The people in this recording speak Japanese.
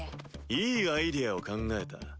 いいアイデアを考えた。